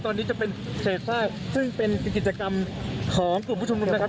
ตอนนี้จะเป็นเศษซากซึ่งเป็นกิจกรรมของกลุ่มผู้ชุมนุมนะครับ